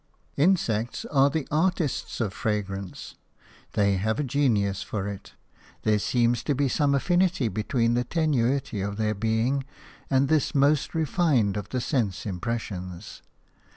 Insects are the artists of fragrance; they have a genius for it; there seems to be some affinity between the tenuity of their being and this most refined of the sense impressions.